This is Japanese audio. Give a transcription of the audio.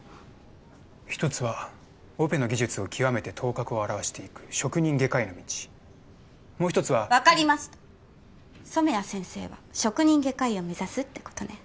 一つはオペの技術を究めて頭角を現していく職人外科医の道もう一つは分かりました染谷先生は職人外科医を目指すってことね